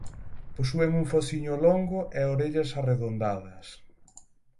Posúen un fociño longo e orellas arredondadas.